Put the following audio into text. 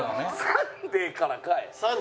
サンデーからかい！